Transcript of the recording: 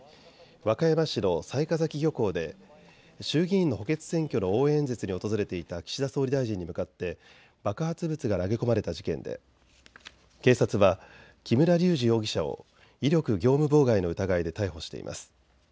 和歌山市の雑賀崎漁港で衆議院の補欠選挙の応援演説に訪れていた岸田総理大臣に向かって爆発物が投げ込まれた事件で警察は木村隆二容疑者を威力業務妨害の疑いで逮捕しています。